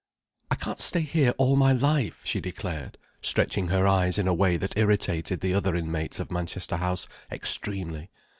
"I can't stay here all my life," she declared, stretching her eyes in a way that irritated the other inmates of Manchester House extremely.